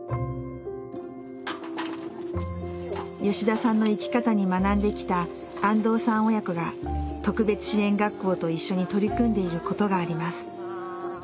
吉田さんの生き方に学んできた安藤さん親子が特別支援学校と一緒に取り組んでいることがあります。